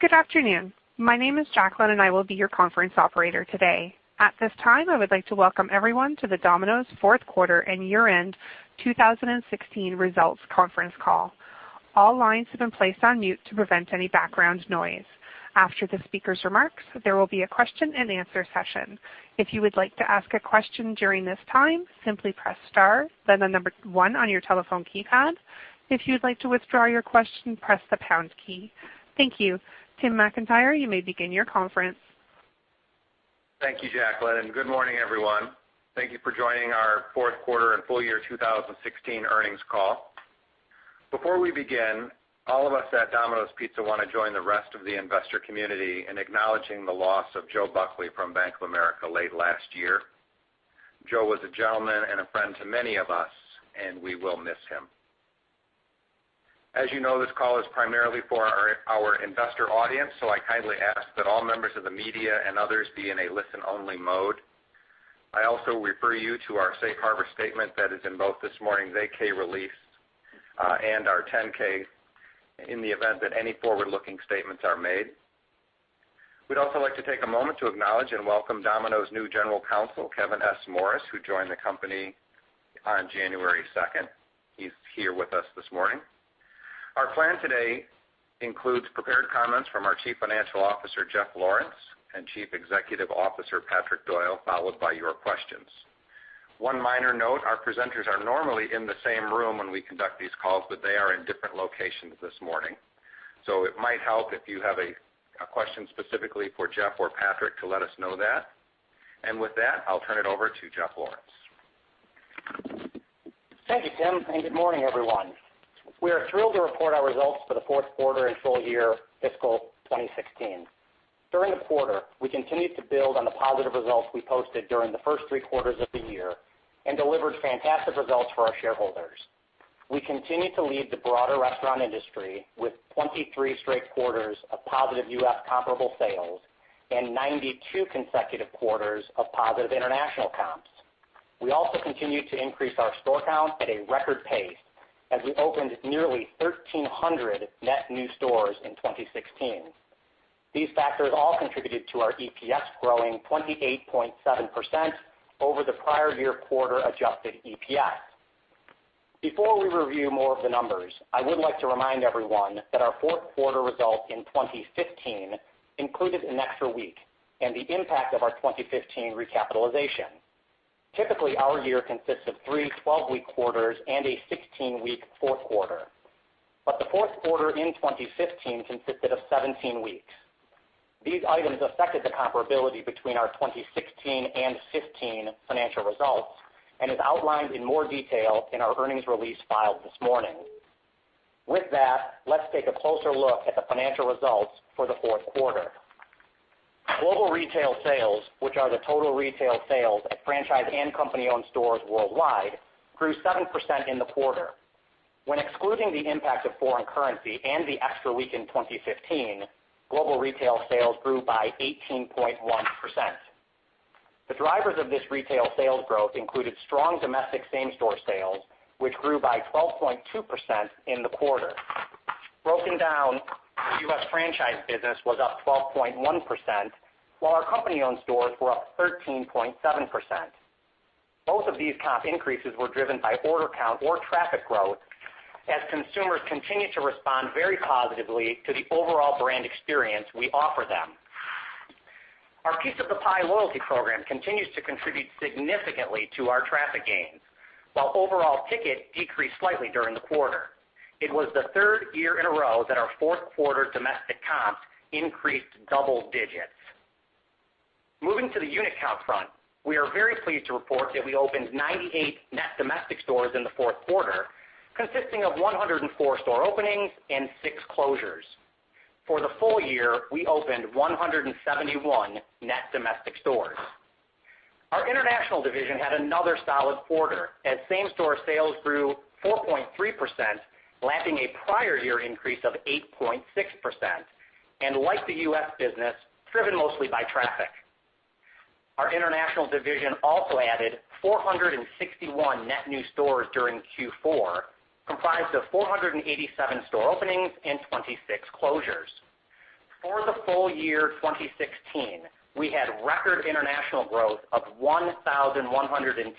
Good afternoon. My name is Jacqueline, and I will be your conference operator today. At this time, I would like to welcome everyone to the Domino's fourth quarter and year-end 2016 results conference call. All lines have been placed on mute to prevent any background noise. After the speaker's remarks, there will be a question and answer session. If you would like to ask a question during this time, simply press star then the number one on your telephone keypad. If you'd like to withdraw your question, press the pound key. Thank you. Tim McIntyre, you may begin your conference. Thank you, Jacqueline. Good morning, everyone. Thank you for joining our fourth quarter and full year 2016 earnings call. Before we begin, all of us at Domino's Pizza want to join the rest of the investor community in acknowledging the loss of Joe Buckley from Bank of America late last year. Joe was a gentleman and a friend to many of us, and we will miss him. As you know, this call is primarily for our investor audience, so I kindly ask that all members of the media and others be in a listen-only mode. I also refer you to our safe harbor statement that is in both this morning's 8-K release, and our 10-K in the event that any forward-looking statements are made. We'd also like to take a moment to acknowledge and welcome Domino's new General Counsel, Kevin S. Morris, who joined the company on January 2nd. He's here with us this morning. Our plan today includes prepared comments from our Chief Financial Officer, Jeff Lawrence, and Chief Executive Officer, Patrick Doyle, followed by your questions. One minor note, our presenters are normally in the same room when we conduct these calls, but they are in different locations this morning. It might help if you have a question specifically for Jeff or Patrick to let us know that. With that, I'll turn it over to Jeff Lawrence. Thank you, Tim. Good morning, everyone. We are thrilled to report our results for the fourth quarter and full year fiscal 2016. During the quarter, we continued to build on the positive results we posted during the first three quarters of the year and delivered fantastic results for our shareholders. We continue to lead the broader restaurant industry with 23 straight quarters of positive U.S. comparable sales and 92 consecutive quarters of positive international comps. We also continued to increase our store count at a record pace as we opened nearly 1,300 net new stores in 2016. These factors all contributed to our EPS growing 28.7% over the prior year quarter adjusted EPS. Before we review more of the numbers, I would like to remind everyone that our fourth quarter results in 2015 included an extra week and the impact of our 2015 recapitalization. The fourth quarter in 2015 consisted of 17 weeks. These items affected the comparability between our 2016 and 2015 financial results and is outlined in more detail in our earnings release filed this morning. With that, let's take a closer look at the financial results for the fourth quarter. Global retail sales, which are the total retail sales at franchise and company-owned stores worldwide, grew 7% in the quarter. When excluding the impact of foreign currency and the extra week in 2015, global retail sales grew by 18.1%. The drivers of this retail sales growth included strong domestic same-store sales, which grew by 12.2% in the quarter. Broken down, the U.S. franchise business was up 12.1%, while our company-owned stores were up 13.7%. Both of these comp increases were driven by order count or traffic growth as consumers continued to respond very positively to the overall brand experience we offer them. Our Piece of the Pie loyalty program continues to contribute significantly to our traffic gains, while overall ticket decreased slightly during the quarter. It was the third year in a row that our fourth quarter domestic comps increased double digits. Moving to the unit count front, we are very pleased to report that we opened 98 net domestic stores in the fourth quarter, consisting of 104 store openings and six closures. For the full year, we opened 171 net domestic stores. Our international division had another solid quarter, as same-store sales grew 4.3%, lapping a prior year increase of 8.6% and, like the U.S. business, driven mostly by traffic. Our international division also added 461 net new stores during Q4, comprised of 487 store openings and 26 closures. For the full year 2016, we had record international growth of 1,110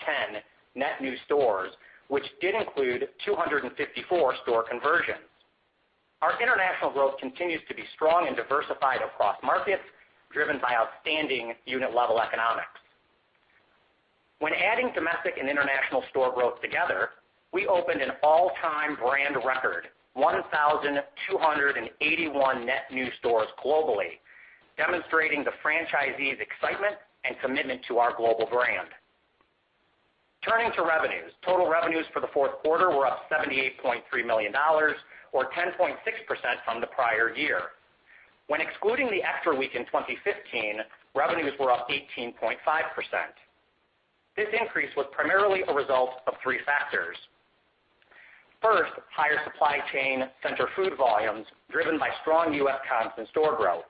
net new stores, which did include 254 store conversions. Our international growth continues to be strong and diversified across markets, driven by outstanding unit-level economics. When adding domestic and international store growth together, we opened an all-time brand record, 1,281 net new stores globally, demonstrating the franchisees' excitement and commitment to our global brand. Turning to revenues. Total revenues for the fourth quarter were up $78.3 million, or 10.6% from the prior year. When excluding the extra week in 2015, revenues were up 18.5%. This increase was primarily a result of three factors. First, higher supply chain center food volumes driven by strong U.S. comps and store growth.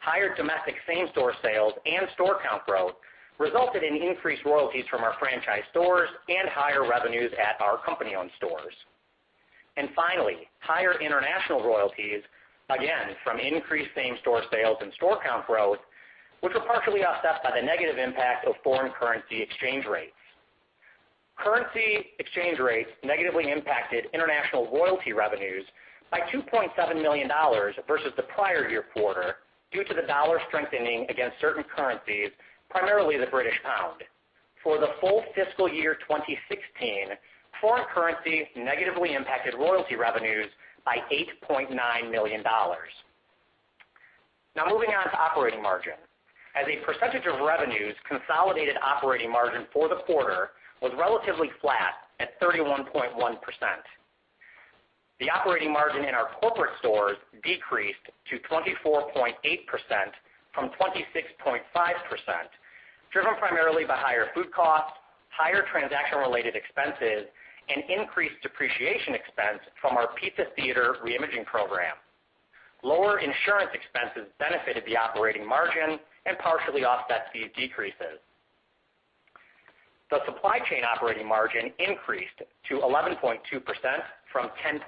Higher domestic same-store sales and store count growth resulted in increased royalties from our franchise stores and higher revenues at our company-owned stores. Finally, higher international royalties, again, from increased same-store sales and store count growth, which were partially offset by the negative impact of foreign currency exchange rates. Currency exchange rates negatively impacted international royalty revenues by $2.7 million versus the prior year quarter due to the dollar strengthening against certain currencies, primarily the British pound. For the full fiscal year 2016, foreign currency negatively impacted royalty revenues by $8.9 million. Now, moving on to operating margin. As a percentage of revenues, consolidated operating margin for the quarter was relatively flat at 31.1%. The operating margin in our corporate stores decreased to 24.8% from 26.5%, driven primarily by higher food costs, higher transaction-related expenses, and increased depreciation expense from our Pizza Theater reimaging program. Lower insurance expenses benefited the operating margin and partially offset these decreases. The supply chain operating margin increased to 11.2% from 10.8%.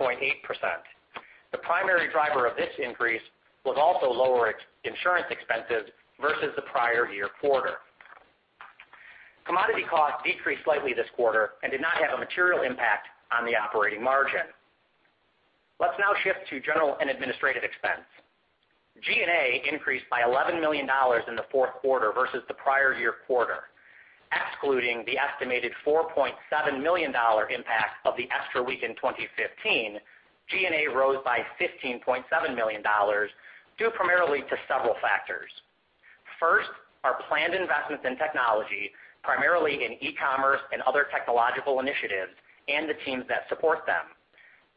The primary driver of this increase was also lower insurance expenses versus the prior year quarter. Commodity costs decreased slightly this quarter and did not have a material impact on the operating margin. Let's now shift to general and administrative expense. G&A increased by $11 million in the fourth quarter versus the prior year quarter. Excluding the estimated $4.7 million impact of the extra week in 2015, G&A rose by $15.7 million, due primarily to several factors. First, our planned investments in technology, primarily in e-commerce and other technological initiatives, and the teams that support them.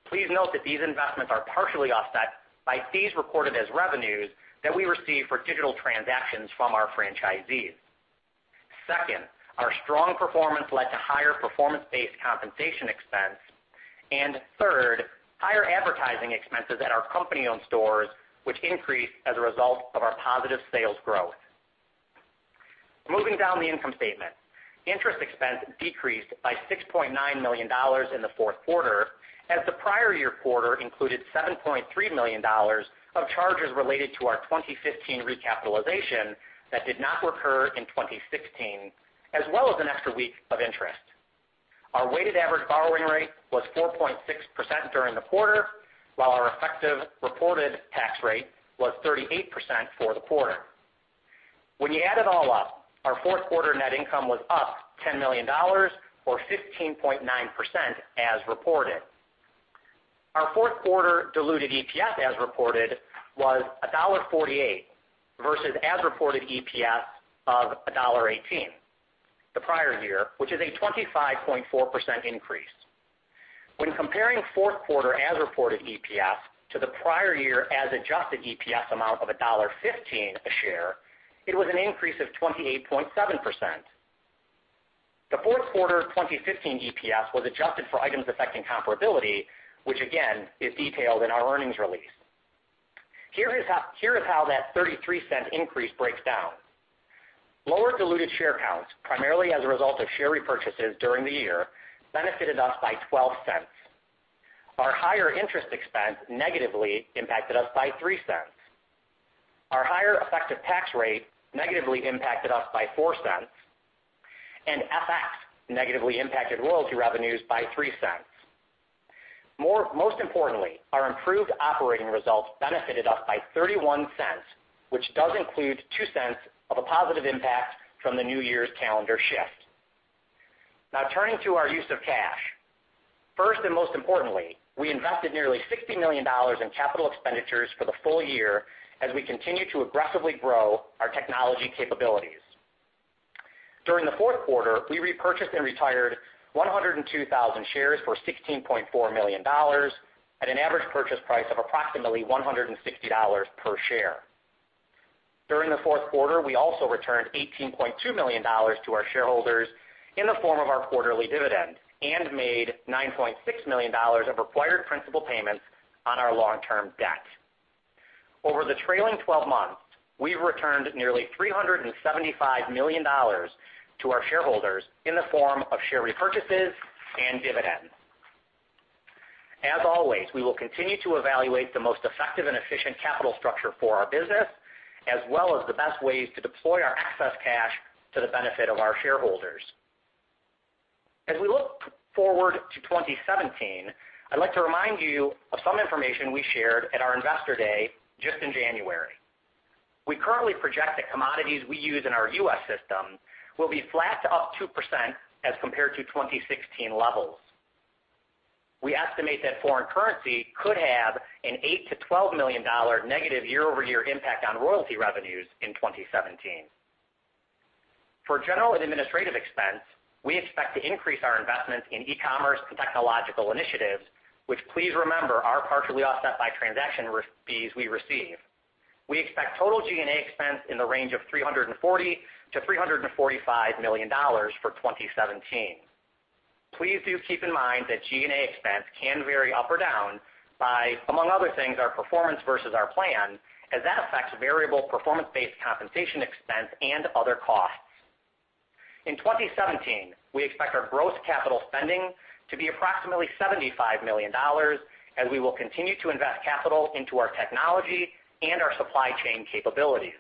Please note that these investments are partially offset by fees reported as revenues that we receive for digital transactions from our franchisees. Second, our strong performance led to higher performance-based compensation expense. Third, higher advertising expenses at our company-owned stores, which increased as a result of our positive sales growth. Moving down the income statement. Interest expense decreased by $6.9 million in the fourth quarter, as the prior year quarter included $7.3 million of charges related to our 2015 recapitalization that did not recur in 2016, as well as an extra week of interest. Our weighted average borrowing rate was 4.6% during the quarter, while our effective reported tax rate was 38% for the quarter. When you add it all up, our fourth quarter net income was up $10 million, or 15.9%, as reported. Our fourth quarter diluted EPS as reported was $1.48, versus as-reported EPS of $1.18 the prior year, which is a 25.4% increase. When comparing fourth quarter as-reported EPS to the prior year as-adjusted EPS amount of $1.15 a share, it was an increase of 28.7%. The fourth quarter 2015 EPS was adjusted for items affecting comparability, which again, is detailed in our earnings release. Here is how that $0.33 increase breaks down. Lower diluted share counts, primarily as a result of share repurchases during the year, benefited us by $0.12. Our higher interest expense negatively impacted us by $0.03. Our higher effective tax rate negatively impacted us by $0.04, and FX negatively impacted royalty revenues by $0.03. Most importantly, our improved operating results benefited us by $0.31, which does include $0.02 of a positive impact from the New Year's calendar shift. Turning to our use of cash. First, and most importantly, we invested nearly $60 million in capital expenditures for the full year as we continue to aggressively grow our technology capabilities. During the fourth quarter, we repurchased and retired 102,000 shares for $16.4 million at an average purchase price of approximately $160 per share. During the fourth quarter, we also returned $18.2 million to our shareholders in the form of our quarterly dividend and made $9.6 million of required principal payments on our long-term debt. Over the trailing 12 months, we've returned nearly $375 million to our shareholders in the form of share repurchases and dividends. As always, we will continue to evaluate the most effective and efficient capital structure for our business, as well as the best ways to deploy our excess cash to the benefit of our shareholders. As we look forward to 2017, I'd like to remind you of some information we shared at our Investor Day just in January. We currently project that commodities we use in our U.S. system will be flat to up 2% as compared to 2016 levels. We estimate that foreign currency could have an $8 million to $12 million negative year-over-year impact on royalty revenues in 2017. For general and administrative expense, we expect to increase our investments in e-commerce and technological initiatives, which please remember, are partially offset by transaction fees we receive. We expect total G&A expense in the range of $340 million to $345 million for 2017. Please do keep in mind that G&A expense can vary up or down by, among other things, our performance versus our plan, as that affects variable performance-based compensation expense and other costs. In 2017, we expect our gross capital spending to be approximately $75 million, as we will continue to invest capital into our technology and our supply chain capabilities.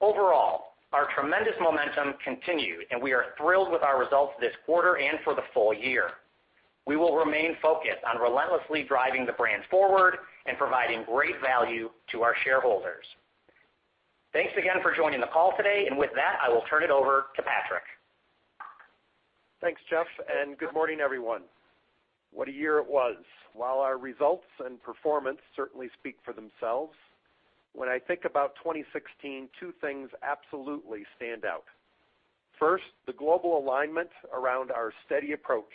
Overall, our tremendous momentum continued, we are thrilled with our results this quarter and for the full year. We will remain focused on relentlessly driving the brand forward and providing great value to our shareholders. Thanks again for joining the call today. With that, I will turn it over to Patrick. Thanks, Jeff, good morning, everyone. What a year it was. While our results and performance certainly speak for themselves, when I think about 2016, two things absolutely stand out. First, the global alignment around our steady approach,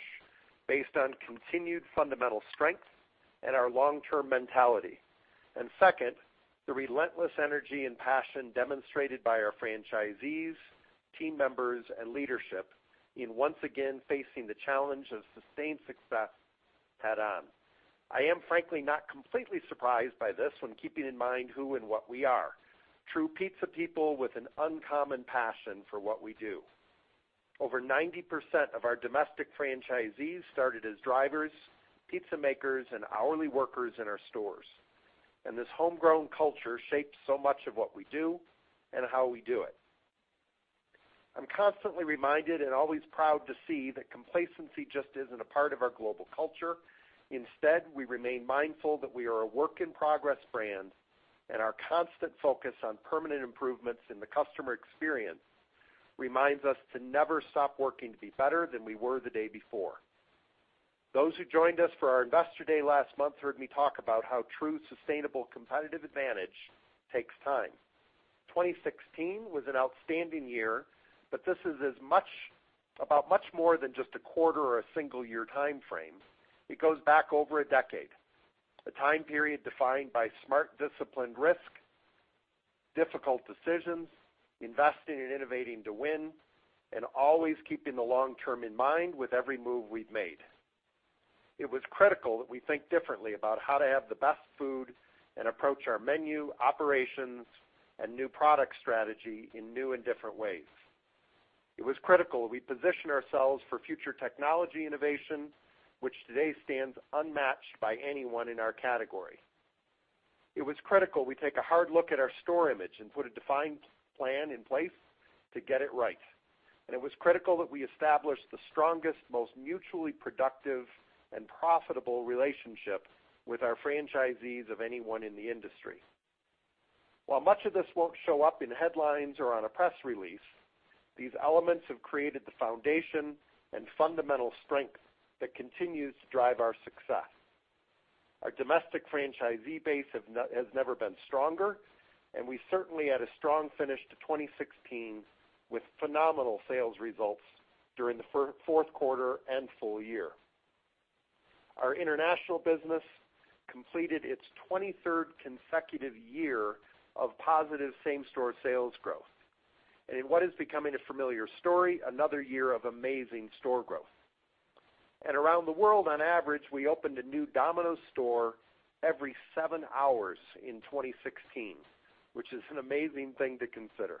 based on continued fundamental strength and our long-term mentality. Second, the relentless energy and passion demonstrated by our franchisees, team members, and leadership in once again facing the challenge of sustained success head-on. I am frankly not completely surprised by this when keeping in mind who and what we are: true pizza people with an uncommon passion for what we do. Over 90% of our domestic franchisees started as drivers, pizza makers, and hourly workers in our stores. This homegrown culture shapes so much of what we do and how we do it. I'm constantly reminded and always proud to see that complacency just isn't a part of our global culture. Instead, we remain mindful that we are a work-in-progress brand, our constant focus on permanent improvements in the customer experience reminds us to never stop working to be better than we were the day before. Those who joined us for our investor day last month heard me talk about how true, sustainable competitive advantage takes time. 2016 was an outstanding year, this is about much more than just a quarter or a single-year timeframe. It goes back over a decade, a time period defined by smart, disciplined risk, difficult decisions, investing in innovating to win, and always keeping the long term in mind with every move we've made. It was critical that we think differently about how to have the best food and approach our menu, operations, and new product strategy in new and different ways. It was critical we position ourselves for future technology innovation, which today stands unmatched by anyone in our category. It was critical we take a hard look at our store image and put a defined plan in place to get it right. It was critical that we establish the strongest, most mutually productive and profitable relationship with our franchisees of anyone in the industry. While much of this won't show up in headlines or on a press release, these elements have created the foundation and fundamental strength that continues to drive our success. Our domestic franchisee base has never been stronger, and we certainly had a strong finish to 2016 with phenomenal sales results during the fourth quarter and full year. Our international business completed its 23rd consecutive year of positive same-store sales growth. In what is becoming a familiar story, another year of amazing store growth. Around the world, on average, we opened a new Domino's store every seven hours in 2016, which is an amazing thing to consider.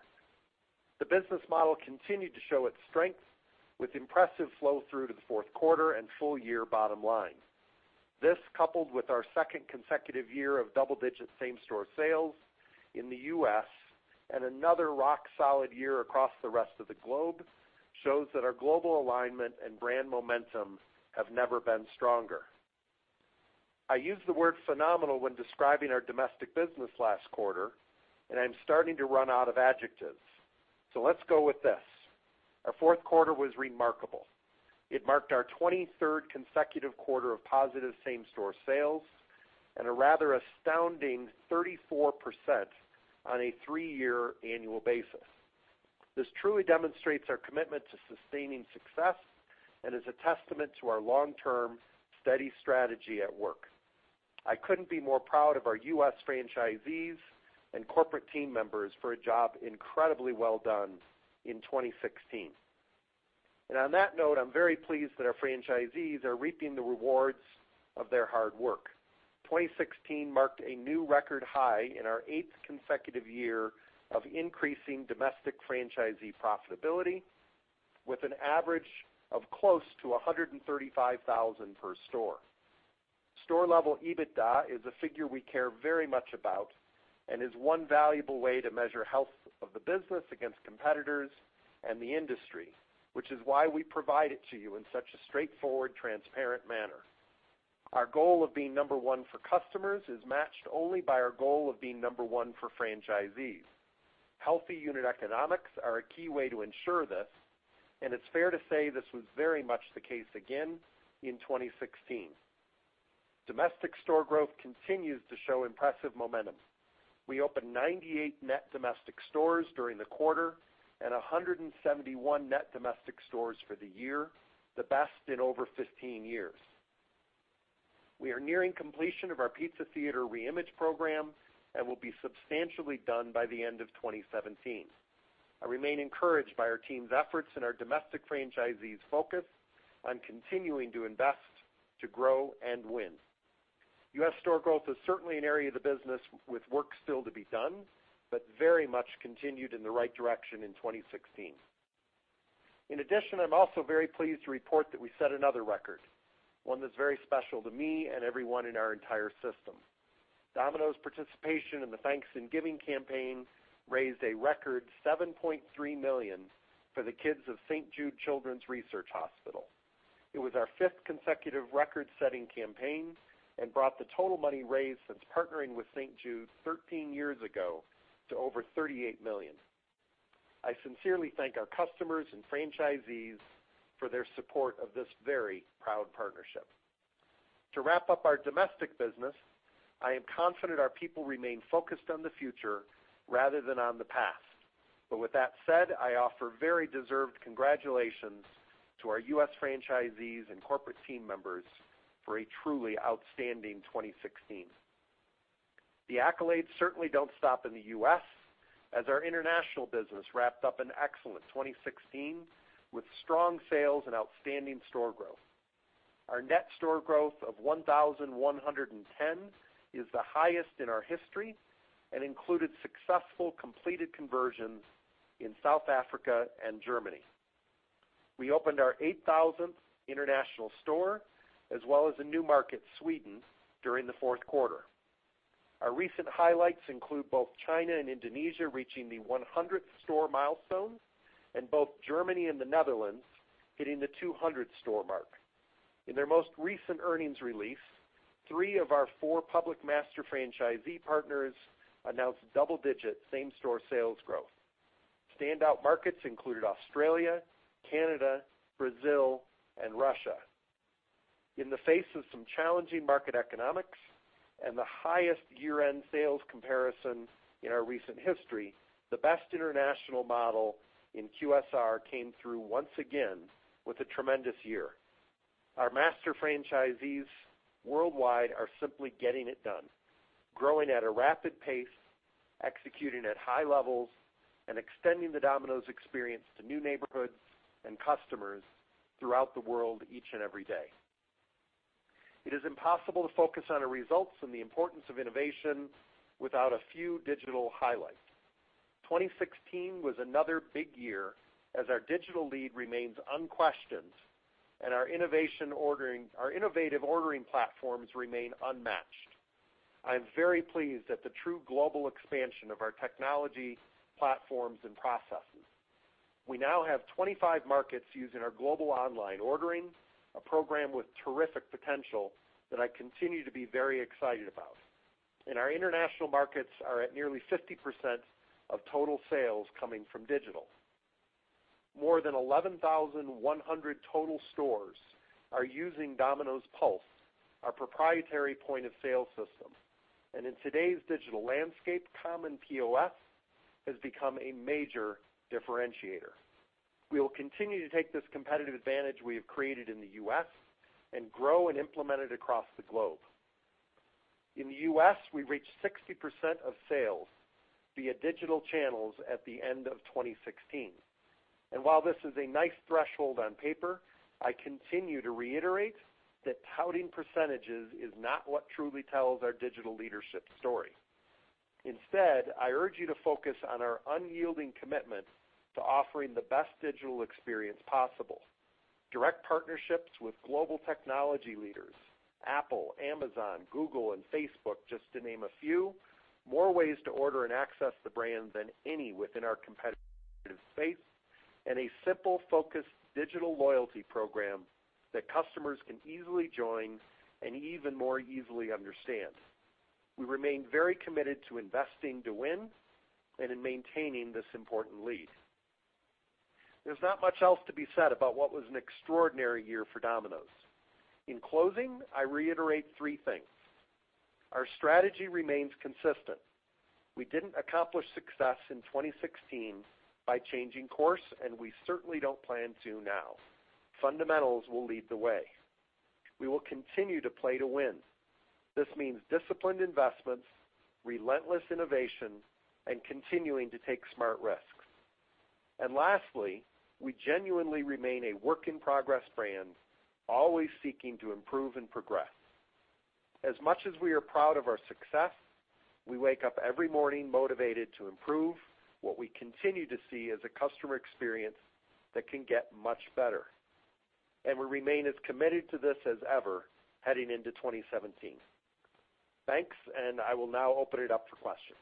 The business model continued to show its strength with impressive flow-through to the fourth quarter and full year bottom line. This, coupled with our second consecutive year of double-digit same-store sales in the U.S. and another rock-solid year across the rest of the globe, shows that our global alignment and brand momentum have never been stronger. I used the word phenomenal when describing our domestic business last quarter, I'm starting to run out of adjectives. Let's go with this. Our fourth quarter was remarkable. It marked our 23rd consecutive quarter of positive same-store sales and a rather astounding 34% on a three-year annual basis. This truly demonstrates our commitment to sustaining success and is a testament to our long-term, steady strategy at work. I couldn't be more proud of our U.S. franchisees and corporate team members for a job incredibly well done in 2016. On that note, I'm very pleased that our franchisees are reaping the rewards of their hard work. 2016 marked a new record high in our eighth consecutive year of increasing domestic franchisee profitability with an average of close to $135,000 per store. Store-level EBITDA is a figure we care very much about and is one valuable way to measure health of the business against competitors and the industry, which is why we provide it to you in such a straightforward, transparent manner. Our goal of being number one for customers is matched only by our goal of being number one for franchisees. Healthy unit economics are a key way to ensure this, and it's fair to say this was very much the case again in 2016. Domestic store growth continues to show impressive momentum. We opened 98 net domestic stores during the quarter and 171 net domestic stores for the year, the best in over 15 years. We are nearing completion of our Pizza Theater reimage program and will be substantially done by the end of 2017. I remain encouraged by our team's efforts and our domestic franchisees' focus on continuing to invest to grow and win. U.S. store growth is certainly an area of the business with work still to be done, but very much continued in the right direction in 2016. In addition, I'm also very pleased to report that we set another record, one that's very special to me and everyone in our entire system. Domino's participation in the Thanks and Giving campaign raised a record $7.3 million for the kids of St. Jude Children's Research Hospital. It was our fifth consecutive record-setting campaign and brought the total money raised since partnering with St. Jude 13 years ago to over $38 million. I sincerely thank our customers and franchisees for their support of this very proud partnership. To wrap up our domestic business, I am confident our people remain focused on the future rather than on the past. With that said, I offer very deserved congratulations to our U.S. franchisees and corporate team members for a truly outstanding 2016. The accolades certainly don't stop in the U.S., as our international business wrapped up an excellent 2016 with strong sales and outstanding store growth. Our net store growth of 1,110 is the highest in our history and included successful completed conversions in South Africa and Germany. We opened our 8,000th international store, as well as a new market, Sweden, during the fourth quarter. Our recent highlights include both China and Indonesia reaching the 100th store milestone and both Germany and the Netherlands hitting the 200th store mark. In their most recent earnings release, three of our four public master franchisee partners announced double-digit same-store sales growth. Standout markets included Australia, Canada, Brazil, and Russia. In the face of some challenging market economics and the highest year-end sales comparison in our recent history, the best international model in QSR came through once again with a tremendous year. Our master franchisees worldwide are simply getting it done, growing at a rapid pace, executing at high levels, and extending the Domino's experience to new neighborhoods and customers throughout the world each and every day. It is impossible to focus on our results and the importance of innovation without a few digital highlights. 2016 was another big year as our digital lead remains unquestioned and our innovative ordering platforms remain unmatched. I am very pleased at the true global expansion of our technology platforms and processes. We now have 25 markets using our Global Online Ordering, a program with terrific potential that I continue to be very excited about. Our international markets are at nearly 50% of total sales coming from digital. More than 11,100 total stores are using Domino's Pulse, our proprietary point-of-sale system. In today's digital landscape, common POS has become a major differentiator. We will continue to take this competitive advantage we have created in the U.S. and grow and implement it across the globe. In the U.S., we reached 60% of sales via digital channels at the end of 2016. While this is a nice threshold on paper, I continue to reiterate that touting percentages is not what truly tells our digital leadership story. Instead, I urge you to focus on our unyielding commitment to offering the best digital experience possible. Direct partnerships with global technology leaders, Apple, Amazon, Google, and Facebook, just to name a few, more ways to order and access the brand than any within our competitive space, and a simple, focused digital loyalty program that customers can easily join and even more easily understand. We remain very committed to investing to win and in maintaining this important lead. There's not much else to be said about what was an extraordinary year for Domino's. In closing, I reiterate three things. Our strategy remains consistent. We didn't accomplish success in 2016 by changing course, and we certainly don't plan to now. Fundamentals will lead the way. We will continue to play to win. This means disciplined investments, relentless innovation, and continuing to take smart risks. Lastly, we genuinely remain a work-in-progress brand, always seeking to improve and progress. As much as we are proud of our success, we wake up every morning motivated to improve what we continue to see as a customer experience that can get much better. We remain as committed to this as ever heading into 2017. Thanks. I will now open it up for questions.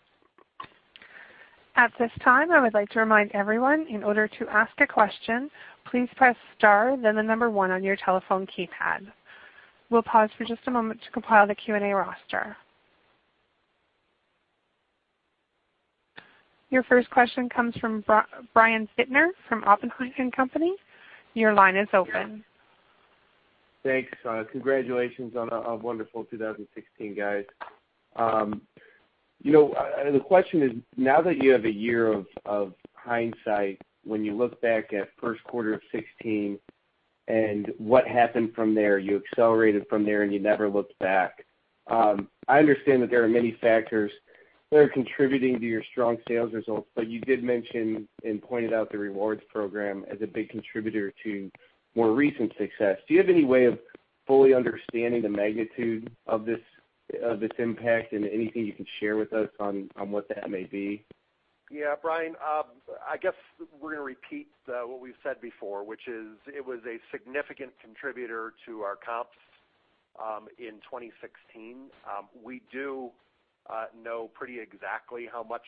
At this time, I would like to remind everyone, in order to ask a question, please press star, then the number 1 on your telephone keypad. We'll pause for just a moment to compile the Q&A roster. Your first question comes from Brian Bittner from Oppenheimer & Co.. Your line is open. Thanks. Congratulations on a wonderful 2016, guys. The question is, now that you have a year of hindsight, when you look back at first quarter of 2016 and what happened from there, you accelerated from there and you never looked back. I understand that there are many factors that are contributing to your strong sales results, but you did mention and pointed out the rewards program as a big contributor to more recent success. Do you have any way of fully understanding the magnitude of this impact and anything you can share with us on what that may be? Yeah, Brian. I guess we're going to repeat what we've said before, which is it was a significant contributor to our comps in 2016. We do know pretty exactly how much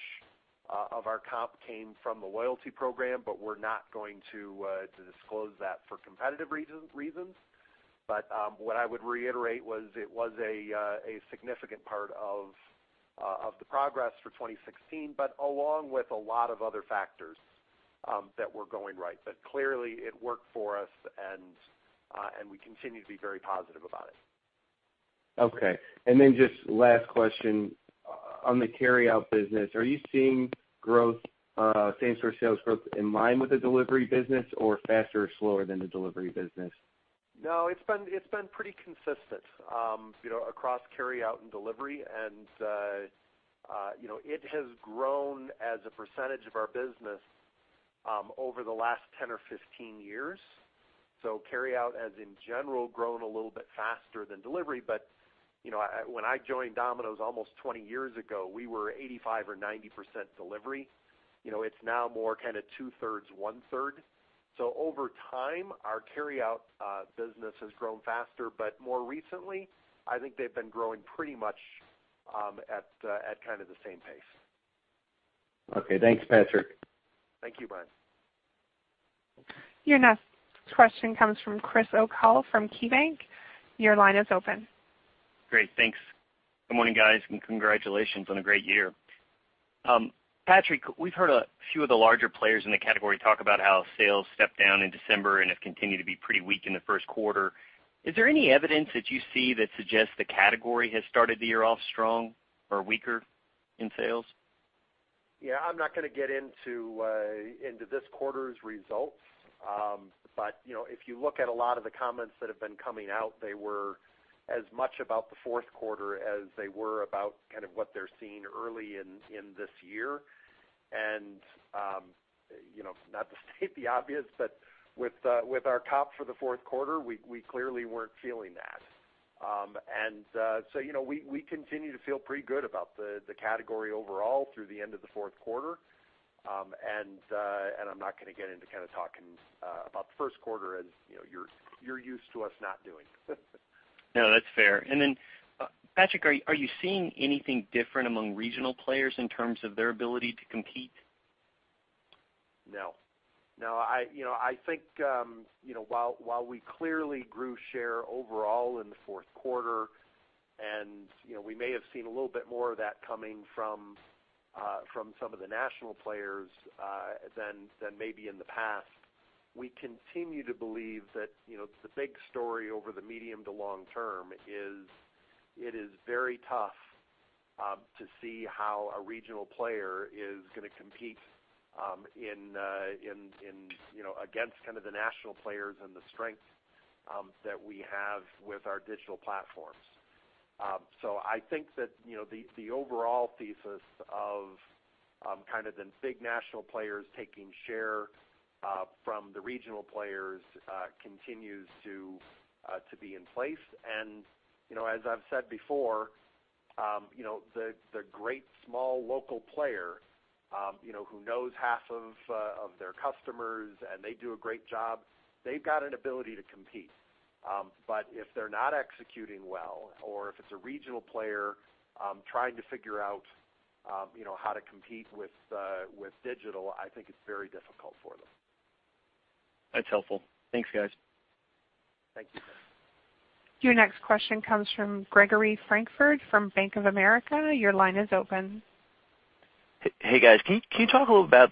of our comp came from the loyalty program, but we're not going to disclose that for competitive reasons. What I would reiterate was it was a significant part of the progress for 2016, along with a lot of other factors that were going right. Clearly, it worked for us, and we continue to be very positive about it. Okay. Just last question. On the carryout business, are you seeing same-store sales growth in line with the delivery business or faster or slower than the delivery business? No, it's been pretty consistent across carryout and delivery. It has grown as a percentage of our business over the last 10 or 15 years. Carryout has, in general, grown a little bit faster than delivery. When I joined Domino's almost 20 years ago, we were 85% or 90% delivery. It's now more two-thirds, one-third. Over time, our carryout business has grown faster. More recently, I think they've been growing pretty much at the same pace. Okay. Thanks, Patrick. Thank you, Brian. Your next question comes from Chris O'Cull from KeyBanc. Your line is open. Great. Thanks. Good morning, guys, and congratulations on a great year. Patrick, we've heard a few of the larger players in the category talk about how sales stepped down in December and have continued to be pretty weak in the first quarter. Is there any evidence that you see that suggests the category has started the year off strong or weaker in sales? Yeah, I'm not going to get into this quarter's results. If you look at a lot of the comments that have been coming out, they were as much about the fourth quarter as they were about what they're seeing early in this year. Not to state the obvious, but with our comp for the fourth quarter, we clearly weren't feeling that. So we continue to feel pretty good about the category overall through the end of the fourth quarter. I'm not going to get into talking about the first quarter, as you're used to us not doing. No, that's fair. Patrick, are you seeing anything different among regional players in terms of their ability to compete? No. I think while we clearly grew share overall in the fourth quarter, and we may have seen a little bit more of that coming from some of the national players than maybe in the past, we continue to believe that the big story over the medium to long term is it is very tough to see how a regional player is going to compete against the national players and the strength that we have with our digital platforms. I think that the overall thesis of the big national players taking share from the regional players continues to be in place. As I've said before, the great small local player who knows half of their customers and they do a great job, they've got an ability to compete. If they're not executing well, or if it's a regional player trying to figure out how to compete with digital, I think it's very difficult for them. That's helpful. Thanks, guys. Thank you. Your next question comes from Gregory Francfort from Bank of America. Your line is open. Hey, guys. Can you talk a little about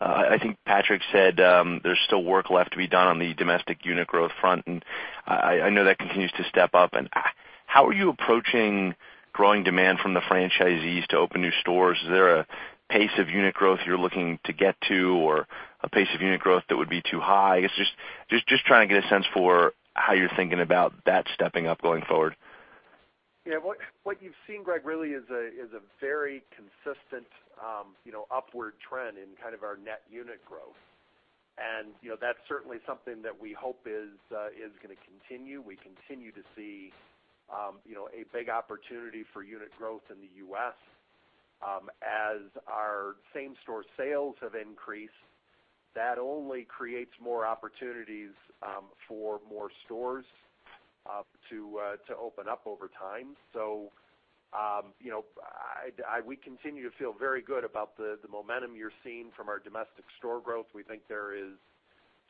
I think Patrick said there's still work left to be done on the domestic unit growth front, I know that continues to step up. How are you approaching growing demand from the franchisees to open new stores? Is there a pace of unit growth you're looking to get to or a pace of unit growth that would be too high? I guess just trying to get a sense for how you're thinking about that stepping up going forward. Yeah. What you've seen, Greg, really is a very consistent upward trend in our net unit growth. That's certainly something that we hope is going to continue. We continue to see a big opportunity for unit growth in the U.S. As our same-store sales have increased, that only creates more opportunities for more stores to open up over time. We continue to feel very good about the momentum you're seeing from our domestic store growth. We think there is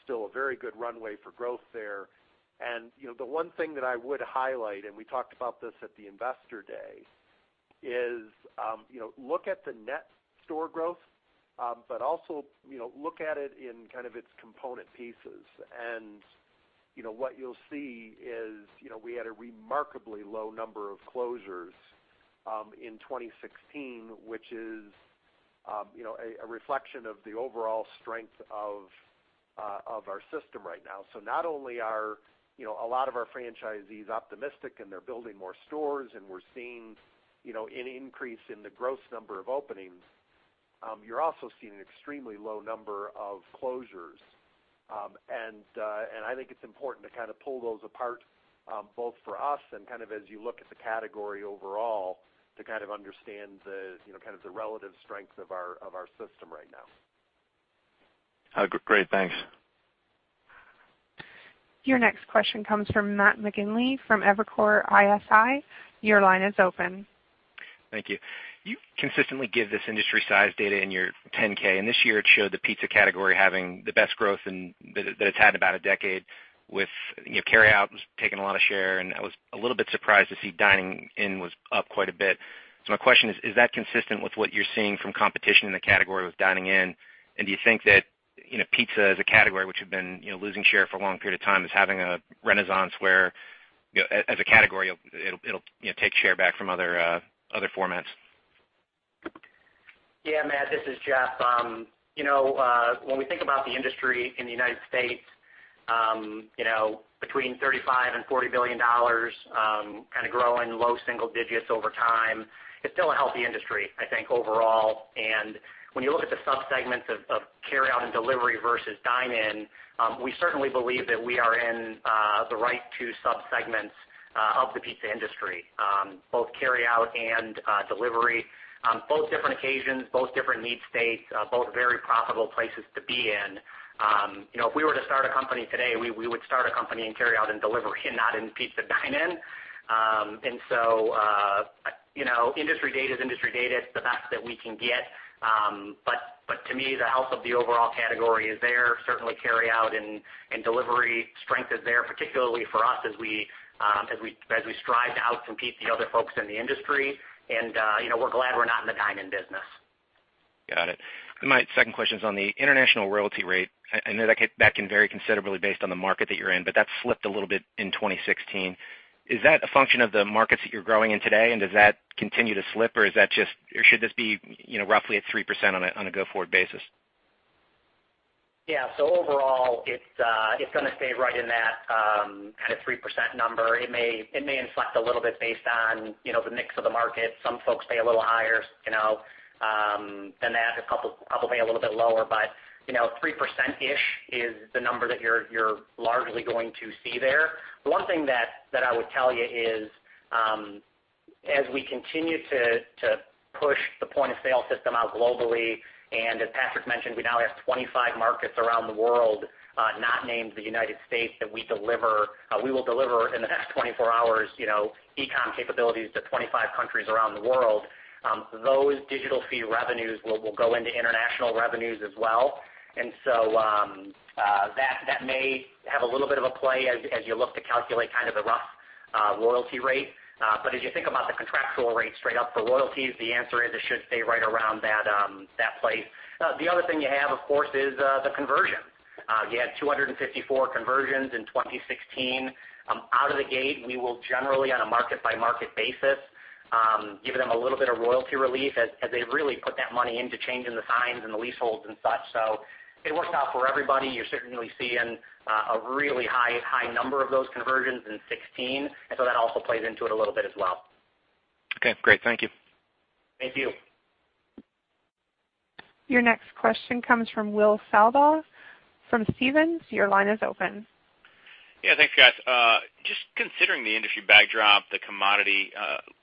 still a very good runway for growth there. The one thing that I would highlight, and we talked about this at the Investor Day, is look at the net store growth, but also look at it in its component pieces. what you'll see is, we had a remarkably low number of closures in 2016, which is a reflection of the overall strength of our system right now. Not only are a lot of our franchisees optimistic and they're building more stores and we're seeing an increase in the gross number of openings, you're also seeing an extremely low number of closures. I think it's important to kind of pull those apart, both for us and as you look at the category overall, to kind of understand the relative strength of our system right now. Great. Thanks. Your next question comes from Matt McGinley from Evercore ISI. Your line is open. Thank you. You consistently give this industry size data in your 10-K, this year it showed the pizza category having the best growth that it's had in about a decade, with carryout taking a lot of share. I was a little bit surprised to see dining in was up quite a bit. My question is: Is that consistent with what you're seeing from competition in the category with dining in? Do you think that pizza as a category, which had been losing share for a long period of time, is having a renaissance where, as a category, it'll take share back from other formats? Matt, this is Jeff. When we think about the industry in the U.S., between $35 billion and $40 billion, kind of growing low single digits over time, it's still a healthy industry, I think, overall. When you look at the sub-segments of carryout and delivery versus dine-in, we certainly believe that we are in the right two sub-segments of the pizza industry. Both carryout and delivery. Both different occasions, both different need states, both very profitable places to be in. If we were to start a company today, we would start a company in carryout and delivery and not in pizza dine-in. Industry data is industry data. It's the best that we can get. To me, the health of the overall category is there. Certainly carryout and delivery strength is there, particularly for us as we strive to out-compete the other folks in the industry. We're glad we're not in the dine-in business. Got it. My second question is on the international royalty rate. I know that can vary considerably based on the market that you're in, but that slipped a little bit in 2016. Is that a function of the markets that you're growing in today, and does that continue to slip, or should this be roughly at 3% on a go-forward basis? Yeah. Overall, it's going to stay right in that kind of 3% number. It may inflect a little bit based on the mix of the market. Some folks pay a little higher than that. A couple probably a little bit lower, but 3%-ish is the number that you're largely going to see there. The one thing that I would tell you is, as we continue to push the point-of-sale system out globally, and as Patrick mentioned, we now have 25 markets around the world not named the U.S. that we will deliver in the next 24 hours, e-com capabilities to 25 countries around the world. Those digital fee revenues will go into international revenues as well. That may have a little bit of a play as you look to calculate kind of a rough royalty rate. As you think about the contractual rate straight up for royalties, the answer is it should stay right around that place. The other thing you have, of course, is the conversion. You had 254 conversions in 2016. Out of the gate, we will generally, on a market-by-market basis, give them a little bit of royalty relief as they really put that money into changing the signs and the leaseholds and such. It worked out for everybody. You are certainly seeing a really high number of those conversions in 2016. That also plays into it a little bit as well. Okay, great. Thank you. Thank you. Your next question comes from Will Slabaugh from Stephens. Your line is open. Yeah, thanks, guys. Just considering the industry backdrop, the commodity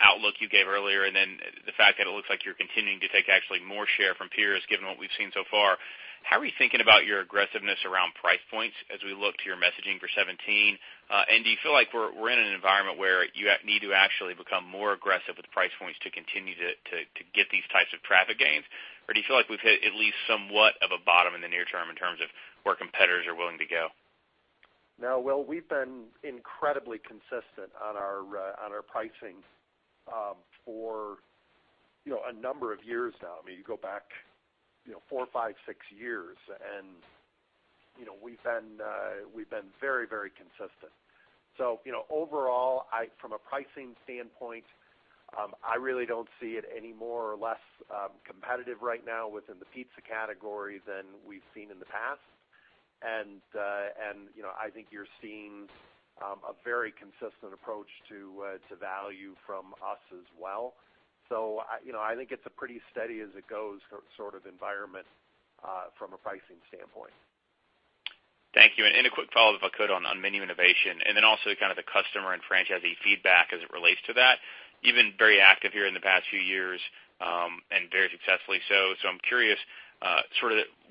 outlook you gave earlier, and then the fact that it looks like you are continuing to take actually more share from peers, given what we have seen so far, how are you thinking about your aggressiveness around price points as we look to your messaging for 2017? Do you feel like we are in an environment where you need to actually become more aggressive with price points to continue to get these types of traffic gains? Or do you feel like we have hit at least somewhat of a bottom in the near term in terms of where competitors are willing to go? No, Will, we have been incredibly consistent on our pricing for a number of years now. You go back four, five, six years, and we have been very consistent. So overall, from a pricing standpoint, I really do not see it any more or less competitive right now within the pizza category than we have seen in the past. I think you are seeing a very consistent approach to value from us as well. So I think it is a pretty steady-as-it-goes sort of environment from a pricing standpoint. Thank you. A quick follow if I could on menu innovation, and then also kind of the customer and franchisee feedback as it relates to that. You have been very active here in the past few years, and very successfully so. So I am curious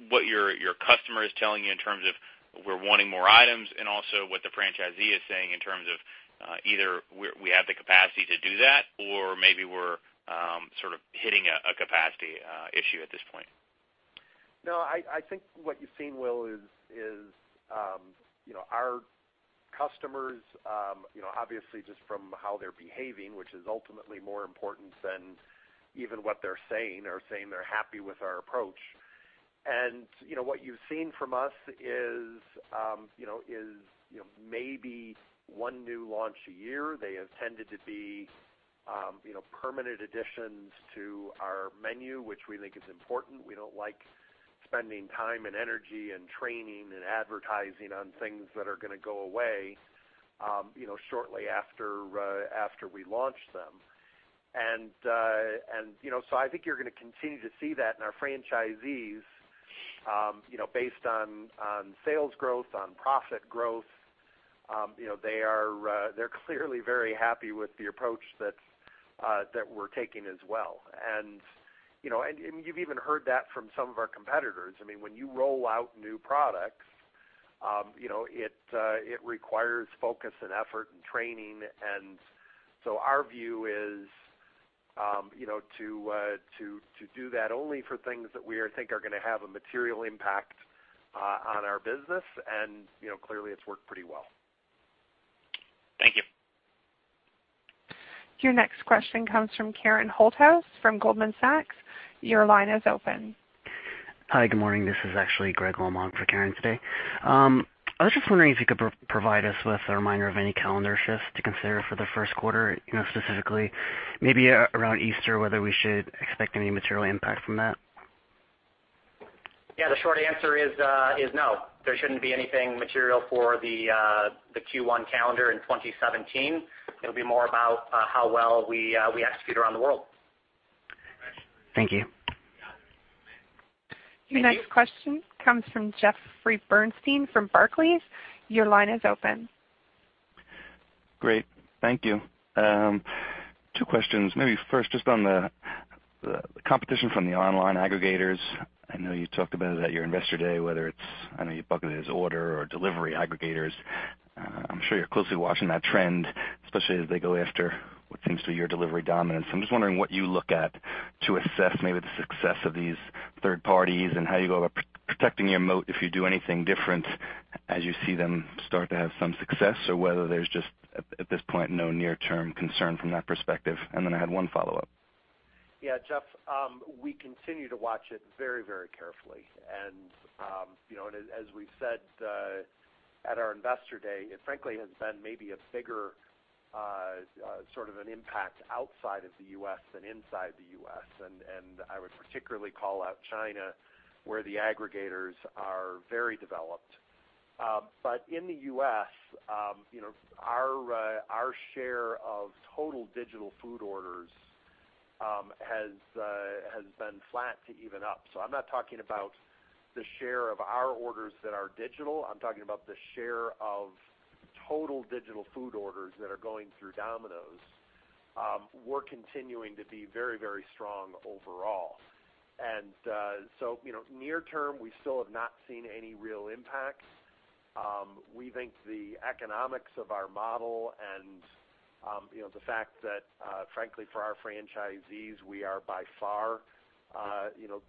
what your customer is telling you in terms of, "We are wanting more items," and also what the franchisee is saying in terms of either, "We have the capacity to do that," or maybe we are sort of hitting a capacity issue at this point. No, I think what you have seen, Will, is our customers, obviously just from how they are behaving, which is ultimately more important than even what they are saying, are saying they are happy with our approach. What you have seen from us is maybe one new launch a year. They have tended to be permanent additions to our menu, which we think is important. We do not like spending time and energy and training and advertising on things that are going to go away shortly after we launch them. I think you are going to continue to see that in our franchisees based on sales growth, on profit growth. They are clearly very happy with the approach that we are taking as well. You have even heard that from some of our competitors. When you roll out new products, it requires focus and effort and training. Our view is to do that only for things that we think are going to have a material impact on our business. Clearly, it's worked pretty well. Thank you. Your next question comes from Karen Holthouse from Goldman Sachs. Your line is open. Hi. Good morning. This is actually Gregory Lemenchick for Karen today. I was just wondering if you could provide us with a reminder of any calendar shifts to consider for the first quarter, specifically maybe around Easter, whether we should expect any material impact from that. Yeah. The short answer is no, there shouldn't be anything material for the Q1 calendar in 2017. It'll be more about how well we execute around the world. Thank you. Your next question comes from Jeffrey Bernstein from Barclays. Your line is open. Great. Thank you. Two questions. First, just on the competition from the online aggregators. I know you talked about it at your Investor Day, whether it's, I know you bucket it as order or delivery aggregators. I'm sure you're closely watching that trend, especially as they go after what seems to be your delivery dominance. I'm just wondering what you look at to assess maybe the success of these third parties and how you go about protecting your moat, if you do anything different as you see them start to have some success, or whether there's just, at this point, no near-term concern from that perspective. Then I had one follow-up. Jeff, we continue to watch it very carefully. As we've said at our Investor Day, it frankly has been maybe a bigger sort of an impact outside of the U.S. than inside the U.S. I would particularly call out China, where the aggregators are very developed. In the U.S., our share of total digital food orders has been flat to even up. I'm not talking about the share of our orders that are digital. I'm talking about the share of total digital food orders that are going through Domino's. We're continuing to be very strong overall. Near term, we still have not seen any real impacts. We think the economics of our model and the fact that, frankly, for our franchisees, we are by far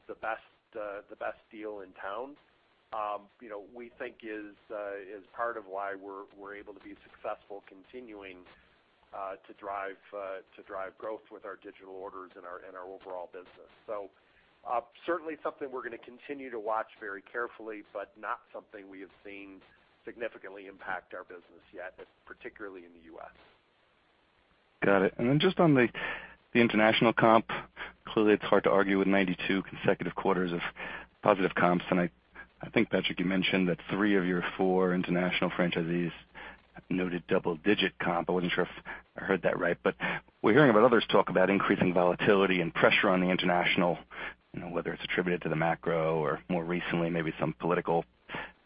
the best deal in town, we think is part of why we're able to be successful continuing to drive growth with our digital orders and our overall business. Certainly something we're going to continue to watch very carefully, but not something we have seen significantly impact our business yet, particularly in the U.S. Got it. Just on the international comp, clearly, it's hard to argue with 92 consecutive quarters of positive comps. I think, Patrick, you mentioned that three of your four international franchisees noted double-digit comp. I wasn't sure if I heard that right. We're hearing about others talk about increasing volatility and pressure on the international, whether it's attributed to the macro or more recently, maybe some political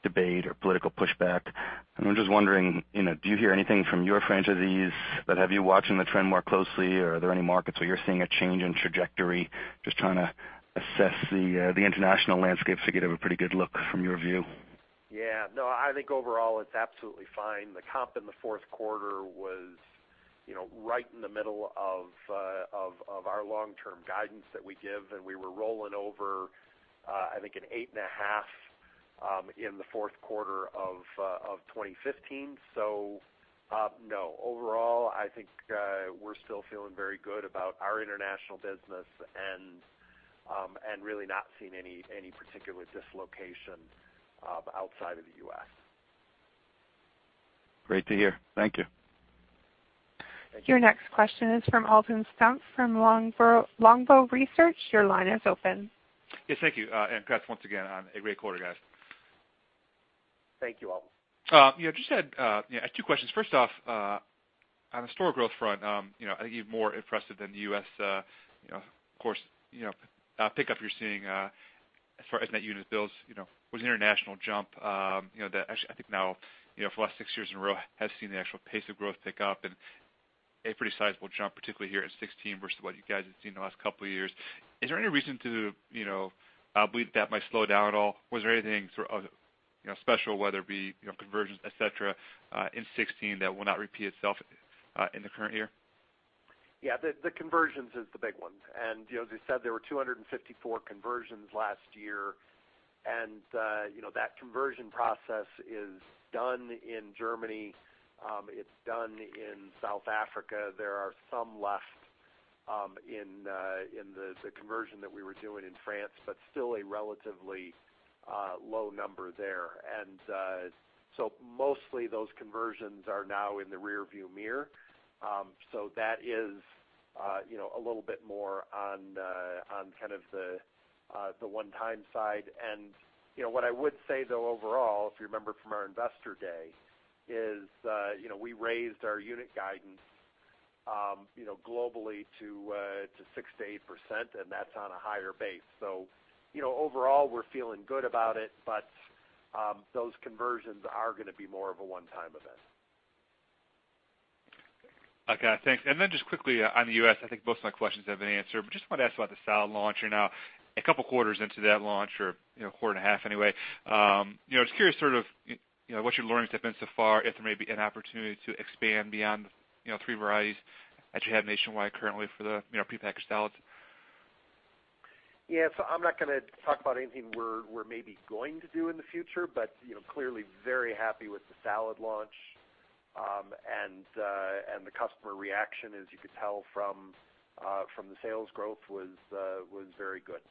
debate or political pushback. I'm just wondering, do you hear anything from your franchisees that have you watching the trend more closely, or are there any markets where you're seeing a change in trajectory? Just trying to assess the international landscape to get a pretty good look from your view. No, I think overall, it's absolutely fine. The comp in the fourth quarter was right in the middle of our long-term guidance that we give. We were rolling over I think an 8.5 in the fourth quarter of 2015. No. Overall, I think we're still feeling very good about our international business and really not seeing any particular dislocation outside of the U.S. Great to hear. Thank you. Thank you. Your next question is from Alton Stump from Longbow Research. Your line is open. Yes. Thank you. Congrats once again on a great quarter, guys. Thank you, Alton. Just had two questions. First off, on the store growth front I think even more impressive than the U.S., of course, pickup you're seeing as far as net unit bills, was an international jump that actually, I think now, for the last six years in a row, has seen the actual pace of growth pick up and a pretty sizable jump, particularly here in 2016 versus what you guys have seen the last couple of years. Is there any reason to believe that might slow down at all? Was there anything sort of special, whether it be conversions, et cetera, in 2016 that will not repeat itself in the current year? Yeah. The conversions is the big one. As I said, there were 254 conversions last year, and that conversion process is done in Germany. It's done in South Africa. There are some left in the conversion that we were doing in France, but still a relatively low number there. Mostly those conversions are now in the rearview mirror. That is a little bit more on the one-time side. What I would say though, overall, if you remember from our investor day, is we raised our unit guidance globally to 6%-8%, and that's on a higher base. Overall, we're feeling good about it, but those conversions are going to be more of a one-time event. Okay. Thanks. Just quickly on the U.S., I think most of my questions have been answered, but just wanted to ask about the salad launch. You're now a couple quarters into that launch, or a quarter and a half anyway. I was curious what your learnings have been so far, if there may be an opportunity to expand beyond the three varieties that you have nationwide currently for the prepackaged salads. I'm not going to talk about anything we're maybe going to do in the future, clearly very happy with the salad launch. The customer reaction, as you could tell from the sales growth was very good.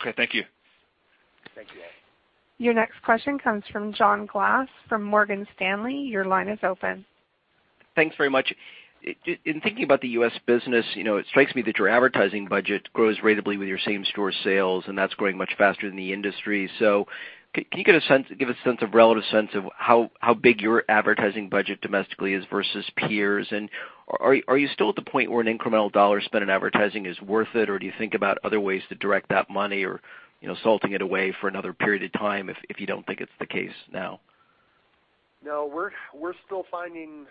Okay. Thank you. Thank you. Your next question comes from John Glass from Morgan Stanley. Your line is open. Thanks very much. In thinking about the U.S. business, it strikes me that your advertising budget grows ratably with your same-store sales, that's growing much faster than the industry. Can you give a relative sense of how big your advertising budget domestically is versus peers? Are you still at the point where an incremental dollar spent in advertising is worth it, or do you think about other ways to direct that money or salting it away for another period of time if you don't think it's the case now? No, we're still finding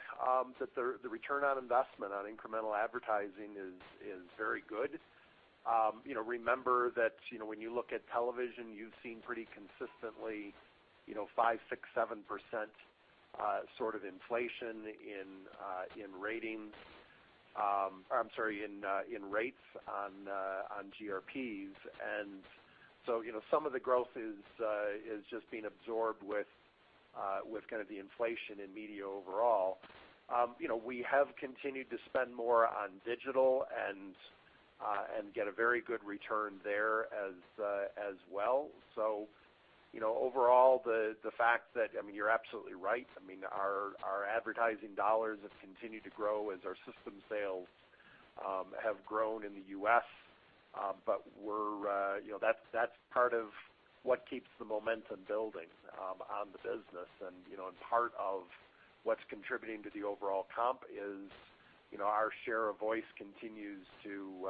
that the return on investment on incremental advertising is very good. Remember that when you look at television, you've seen pretty consistently 5%, 6%, 7% sort of inflation in rates on GRPs. Some of the growth is just being absorbed with kind of the inflation in media overall. We have continued to spend more on digital and get a very good return there as well. Overall, I mean, you're absolutely right. I mean, our advertising dollars have continued to grow as our system sales have grown in the U.S. That's part of what keeps the momentum building on the business. Part of what's contributing to the overall comp is our share of voice continues to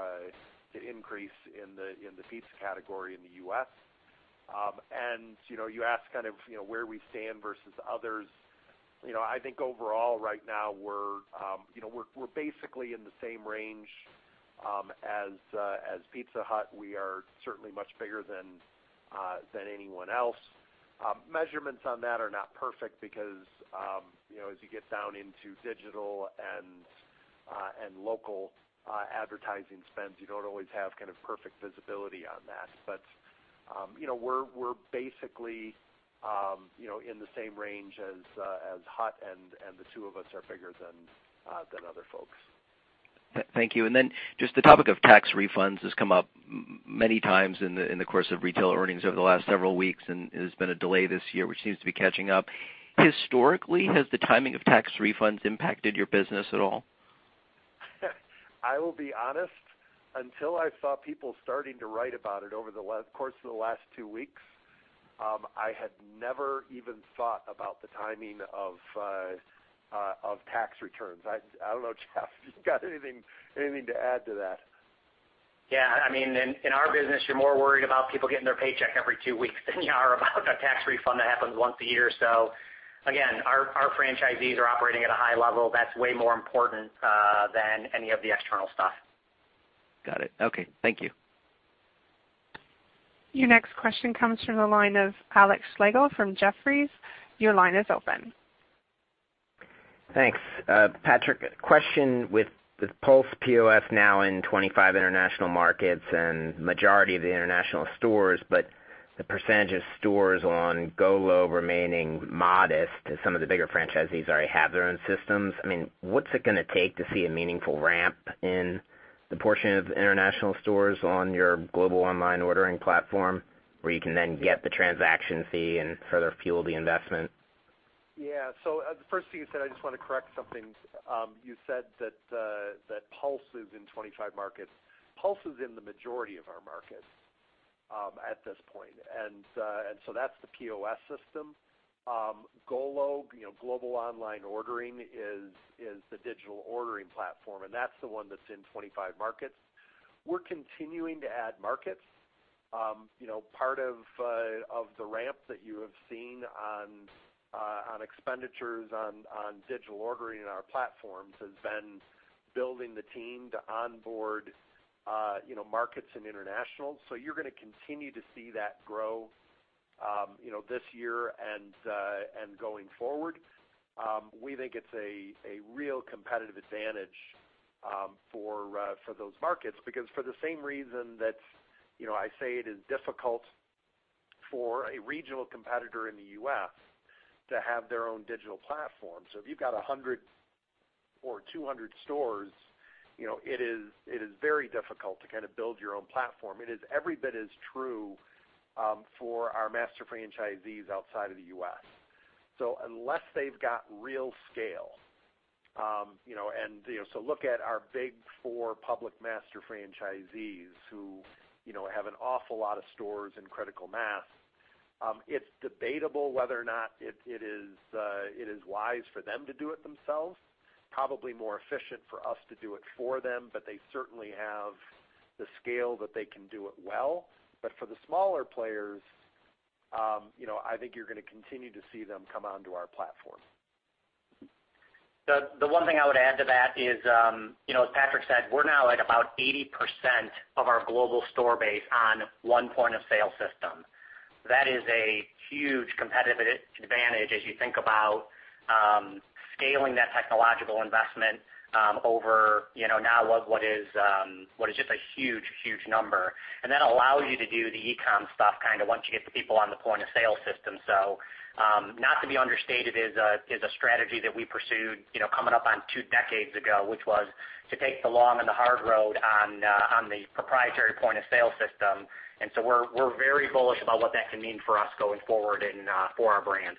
increase in the pizza category in the U.S. You asked kind of where we stand versus others. I think overall right now we're basically in the same range as Pizza Hut. We are certainly much bigger than anyone else. Measurements on that are not perfect because as you get down into digital and local advertising spends, you don't always have kind of perfect visibility on that. We're basically in the same range as Hut, the two of us are bigger than other folks. Thank you. Just the topic of tax refunds has come up many times in the course of retail earnings over the last several weeks, there's been a delay this year, which seems to be catching up. Historically, has the timing of tax refunds impacted your business at all? I will be honest, until I saw people starting to write about it over the course of the last two weeks, I had never even thought about the timing of tax returns. I don't know, Jeff, if you've got anything to add to that. I mean, in our business, you're more worried about people getting their paycheck every two weeks than you are about a tax refund that happens once a year. Again, our franchisees are operating at a high level. That's way more important than any of the external stuff. Got it. Okay. Thank you. Your next question comes from the line of Alex Slagle from Jefferies. Your line is open. Thanks. Patrick, question with Pulse POS now in 25 international markets and majority of the international stores, but the percentage of stores on GOLO remaining modest as some of the bigger franchisees already have their own systems. I mean, what's it going to take to see a meaningful ramp in the portion of international stores on your Global Online Ordering platform, where you can then get the transaction fee and further fuel the investment? The first thing you said, I just want to correct something. You said that Pulse is in 25 markets. Pulse is in the majority of our markets at this point, that's the POS system. GOLO, Global Online Ordering, is the digital ordering platform, that's the one that's in 25 markets. We're continuing to add markets. Part of the ramp that you have seen on expenditures on digital ordering in our platforms has been building the team to onboard markets in international. You're going to continue to see that grow this year and going forward. We think it's a real competitive advantage for those markets because for the same reason that I say it is difficult for a regional competitor in the U.S. to have their own digital platform. If you've got 100 or 200 stores, it is very difficult to build your own platform. It is every bit as true for our master franchisees outside of the U.S. Unless they've got real scale, look at our big four public master franchisees who have an awful lot of stores and critical mass. It's debatable whether or not it is wise for them to do it themselves. Probably more efficient for us to do it for them, they certainly have the scale that they can do it well. For the smaller players, I think you're going to continue to see them come onto our platform. The one thing I would add to that is, as Patrick said, we're now at about 80% of our global store base on one point of sale system. That is a huge competitive advantage as you think about scaling that technological investment over, now what is just a huge number. That allows you to do the e-com stuff once you get the people on the point of sale system. Not to be understated, is a strategy that we pursued coming up on 2 decades ago, which was to take the long and the hard road on the proprietary point of sale system. We're very bullish about what that can mean for us going forward and for our brand.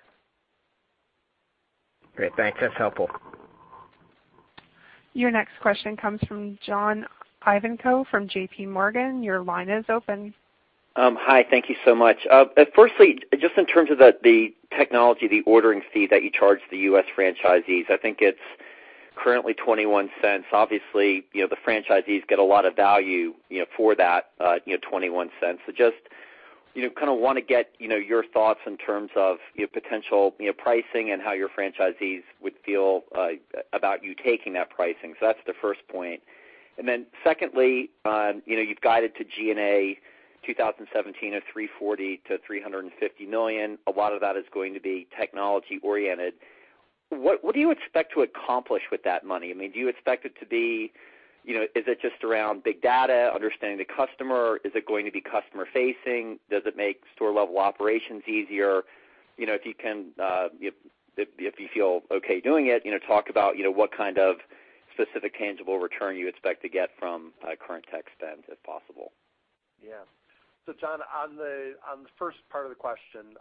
Great. Thanks. That's helpful. Your next question comes from John Ivankoe from J.P. Morgan. Your line is open. Hi. Thank you so much. Firstly, just in terms of the technology, the ordering fee that you charge the U.S. franchisees, I think it's currently $0.21. Obviously, the franchisees get a lot of value for that $0.21. Just, kind of want to get your thoughts in terms of potential pricing and how your franchisees would feel about you taking that pricing. That's the first point. Secondly, you've guided to G&A 2017 of $340 million-$350 million. A lot of that is going to be technology oriented. What do you expect to accomplish with that money? I mean, is it just around big data, understanding the customer? Is it going to be customer facing? Does it make store-level operations easier? If you feel okay doing it, talk about what kind of specific tangible return you expect to get from current tech spends, if possible. Yeah. John, on the first part of the question,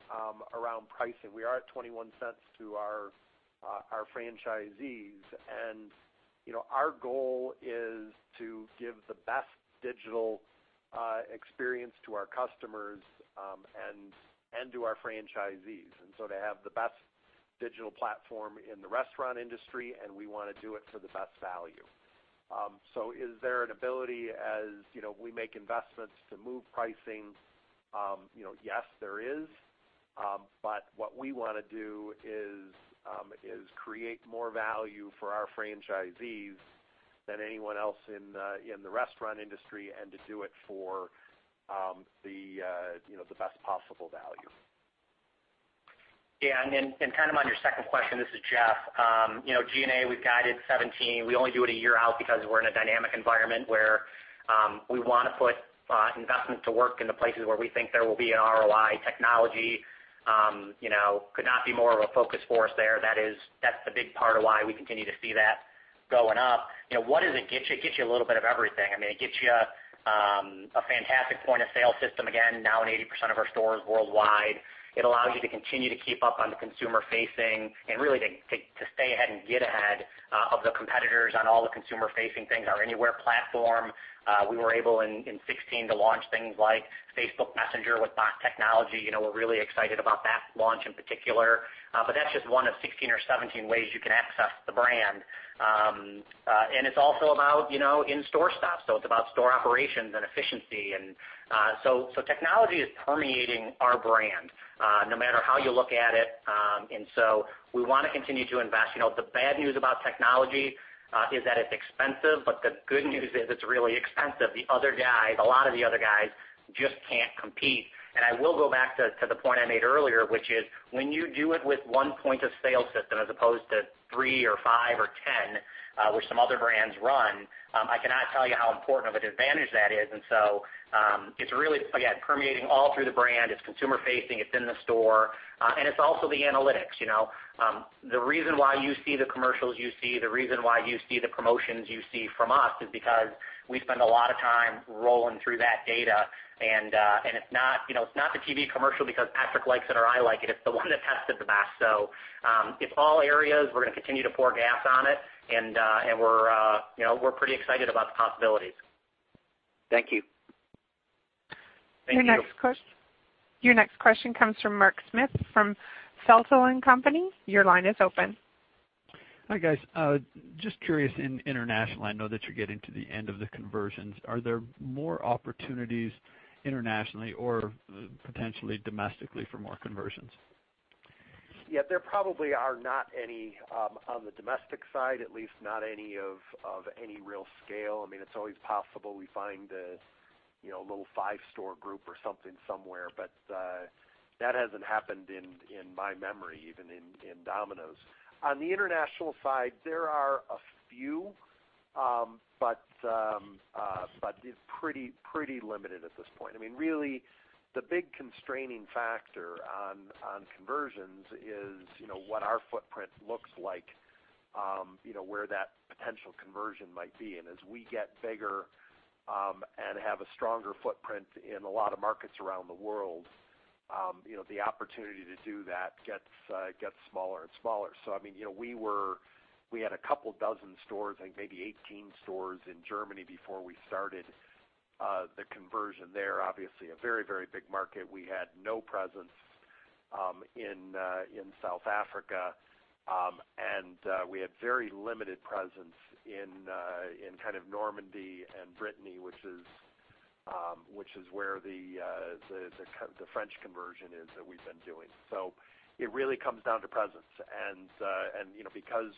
around pricing, we are at $0.21 to our franchisees. Our goal is to give the best digital experience to our customers and to our franchisees. To have the best digital platform in the restaurant industry, and we want to do it for the best value. Is there an ability as we make investments to move pricing? Yes, there is. What we want to do is create more value for our franchisees than anyone else in the restaurant industry and to do it for the best possible value. Yeah. Kind of on your second question, this is Jeff. G&A, we've guided 2017. We only do it a year out because we're in a dynamic environment where we want to put investments to work in the places where we think there will be an ROI. Technology could not be more of a focus for us there. That's the big part of why we continue to see that going up. What does it get you? It gets you a little bit of everything. I mean, it gets you a fantastic point of sale system, again, now in 80% of our stores worldwide. It allows you to continue to keep up on the consumer facing and really to stay ahead and get ahead of the competitors on all the consumer-facing things. Our AnyWare platform. We were able in 2016 to launch things like Facebook Messenger with bot technology. We're really excited about that launch in particular. That's just one of 16 or 17 ways you can access the brand. It's also about in-store stuff, so it's about store operations and efficiency. Technology is permeating our brand, no matter how you look at it. We want to continue to invest. The bad news about technology is that it's expensive, but the good news is it's really expensive. The other guys, a lot of the other guys just can't compete. I will go back to the point I made earlier, which is when you do it with one point of sale system as opposed to three or five or 10, which some other brands run, I cannot tell you how important of an advantage that is. It's really, again, permeating all through the brand. It's consumer facing, it's in the store. It's also the analytics. The reason why you see the commercials you see, the reason why you see the promotions you see from us is because we spend a lot of time rolling through that data. It's not the TV commercial because Patrick likes it or I like it. It's the one that tested the best. It's all areas. We're going to continue to pour gas on it, and we're pretty excited about the possibilities. Thank you. Thank you. Your next question comes from Mark Smith from Feltl and Company. Your line is open. Hi, guys. Just curious, in international, I know that you're getting to the end of the conversions. Are there more opportunities internationally or potentially domestically for more conversions? Yeah, there probably are not any on the domestic side, at least not any of any real scale. I mean, it's always possible we find a little five-store group or something somewhere, but that hasn't happened in my memory, even in Domino's. It's pretty limited at this point. Really, the big constraining factor on conversions is what our footprint looks like, where that potential conversion might be. As we get bigger and have a stronger footprint in a lot of markets around the world, the opportunity to do that gets smaller and smaller. So, we had a couple dozen stores, I think maybe 18 stores, in Germany before we started the conversion there. Obviously, a very big market. We had no presence in South Africa. We had very limited presence in Normandy and Brittany, which is where the French conversion is that we've been doing. It really comes down to presence. Because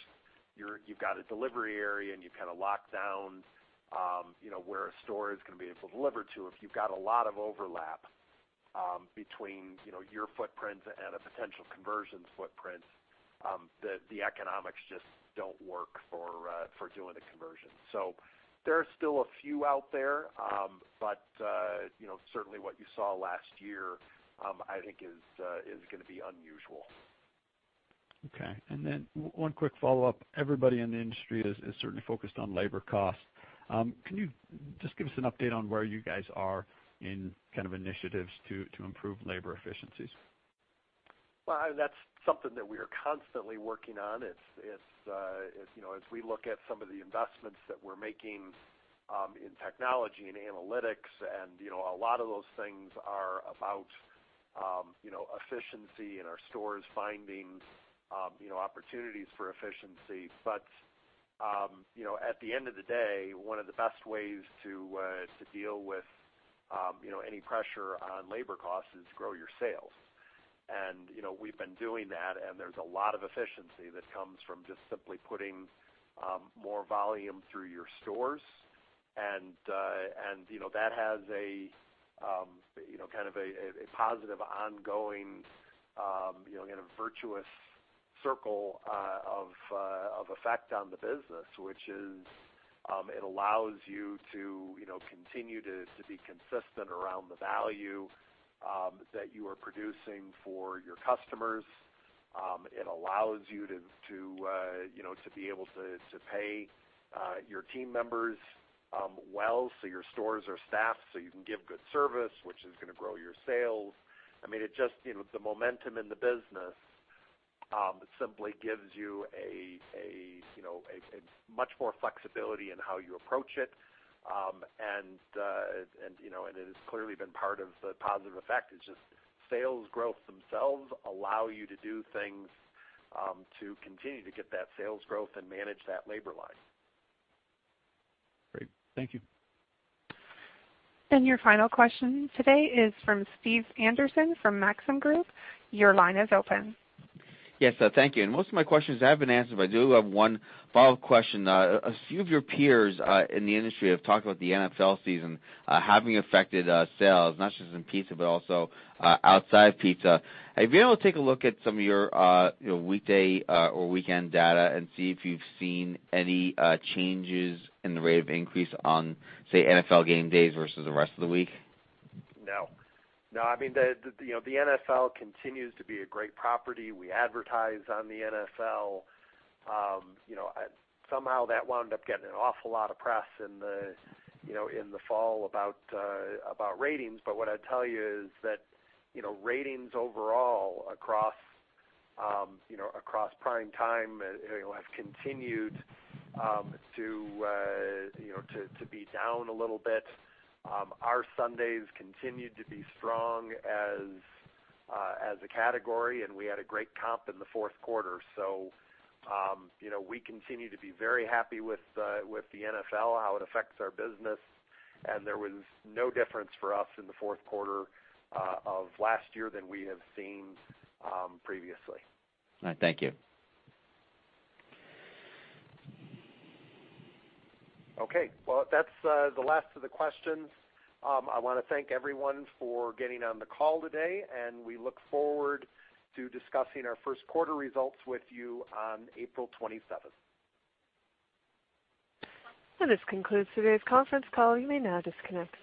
you've got a delivery area and you've locked down where a store is going to be able to deliver to, if you've got a lot of overlap between your footprint and a potential conversion footprint, the economics just don't work for doing the conversion. There are still a few out there, but certainly what you saw last year, I think is going to be unusual. Okay. One quick follow-up. Everybody in the industry is certainly focused on labor costs. Can you just give us an update on where you guys are in initiatives to improve labor efficiencies? Well, that's something that we are constantly working on. As we look at some of the investments that we're making in technology and analytics, a lot of those things are about efficiency and our stores finding opportunities for efficiency. At the end of the day, one of the best ways to deal with any pressure on labor costs is grow your sales. We've been doing that, there's a lot of efficiency that comes from just simply putting more volume through your stores. That has a positive ongoing virtuous circle of effect on the business, which is it allows you to continue to be consistent around the value that you are producing for your customers. It allows you to be able to pay your team members well, so your stores are staffed, so you can give good service, which is going to grow your sales. The momentum in the business simply gives you much more flexibility in how you approach it has clearly been part of the positive effect. It's just sales growth themselves allow you to do things to continue to get that sales growth and manage that labor line. Great. Thank you. Your final question today is from Stephen Anderson from Maxim Group. Your line is open. Yes, thank you. Most of my questions have been answered, but I do have one follow-up question. A few of your peers in the industry have talked about the NFL season having affected sales, not just in pizza, but also outside pizza. Have you been able to take a look at some of your weekday or weekend data and see if you've seen any changes in the rate of increase on, say, NFL game days versus the rest of the week? No. The NFL continues to be a great property. We advertise on the NFL. Somehow that wound up getting an awful lot of press in the fall about ratings. What I'd tell you is that ratings overall across prime time have continued to be down a little bit. Our Sundays continued to be strong as a category, and we had a great comp in the fourth quarter. We continue to be very happy with the NFL, how it affects our business, and there was no difference for us in the fourth quarter of last year than we have seen previously. All right. Thank you. Okay. Well, that's the last of the questions. I want to thank everyone for getting on the call today, and we look forward to discussing our first quarter results with you on April 27th. This concludes today's conference call. You may now disconnect.